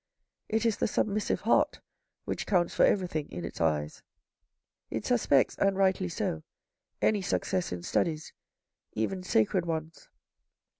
It is the submissive heart which counts for everything in its eyes. It suspects, and rightly so, any success in studies, even sacred ones.